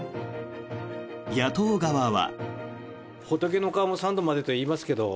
野党側は。